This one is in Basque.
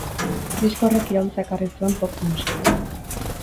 Disko horrek iraultza ekarri zuen pop musikan.